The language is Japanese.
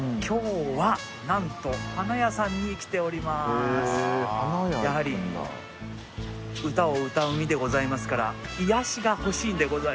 今日はなんとやはり歌を歌う身でございますから癒やしが欲しいんでございます。